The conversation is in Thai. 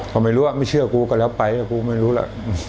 เขาไม่รู้อะไม่เชื่อกูก็แล้วไปกูไม่รู้ล่ะ